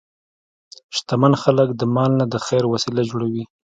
شتمن خلک د مال نه د خیر وسیله جوړوي.